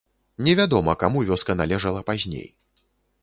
Невядома, каму вёска належала пазней.